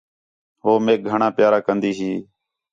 ہو میک گھݨاں پیارا کندی ہی